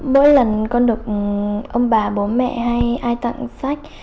mỗi lần con đọc ông bà bố mẹ hay ai tặng sách